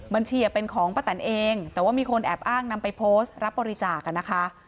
มันเชียร์เป็นของปะแต่นเองแต่ว่ามีคนแอบอ้างนำไปโพสต์รับบริจาค